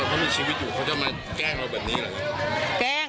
ตอนพัฒน์มีชีวิตอยู่เขาจะมาแกล้งเราแบบนี้แหละเกล้ง